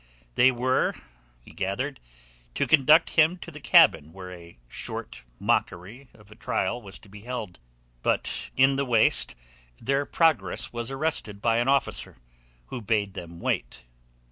They were, he gathered, to conduct him to the cabin where a short mockery of a trial was to be held. But in the waist their progress was arrested by an officer, who bade them wait.